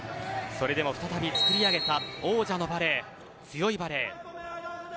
それでも再び作り上げた王者のバレー強いバレー。